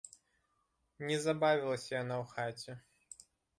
Не забавілася яна ў хаце.